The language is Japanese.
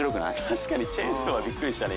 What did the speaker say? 確かにチェーンソーはビックリしたね